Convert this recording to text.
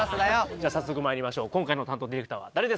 じゃあ早速まいりましょう今回の担当ディレクターは誰ですか？